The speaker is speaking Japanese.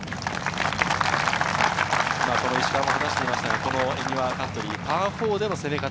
石川も話していましたが、恵庭カントリー、パー４での攻め方。